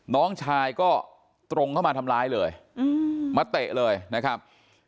น้องชายก็ตรงเข้ามาทำร้ายเลยมาเตะเลยนะครับ